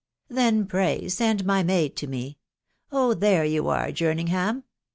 97 " Then, pray, send my maid to me. ••• Oh ! there you are, Jerningham."